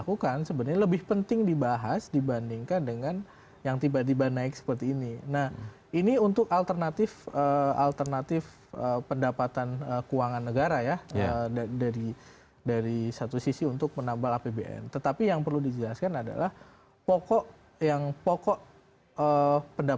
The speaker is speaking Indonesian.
oke polisi menyatakan ini harusnya tetap berjalan